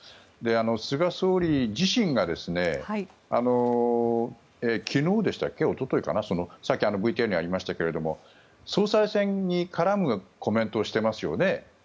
菅総理自身が昨日でしたっけ、おとといかなさっき、ＶＴＲにありましたが総裁選に絡むコメントをしていますよね。